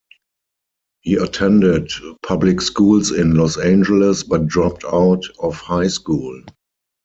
He attended public schools in Los Angeles but dropped out of high school.